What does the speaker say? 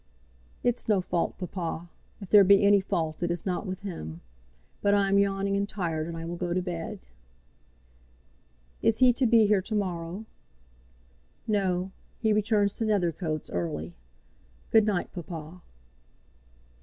"It's no fault, Papa. If there be any fault, it is not with him. But I am yawning and tired, and I will go to bed." "Is he to be here to morrow?" "No; he returns to Nethercoats early. Good night, papa."